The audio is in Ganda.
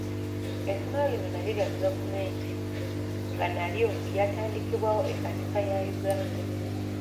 Essomero lino nalyo lya gavumenti nga nalyo ly'atandikibwawo ekkanisa ya Uganda.